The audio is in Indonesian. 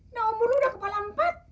nah umur udah kepala empat